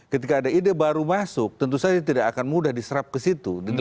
ketika ada ide baru masuk tentu saja tidak akan mudah diserap ke situ